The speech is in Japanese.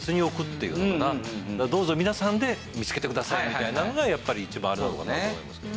どうぞ皆さんで見つけてくださいみたいなのがやっぱり一番あるのかなと思いますけど。